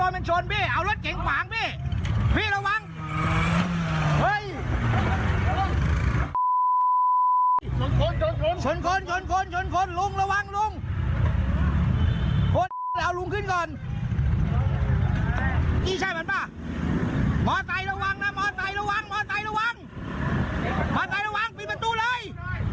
ผลสะอยละวั้งปลิดประตูเลย